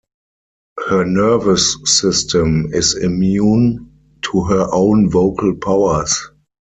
Her nervous system is immune to her own vocal powers.